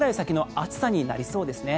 暑さになりそうですね。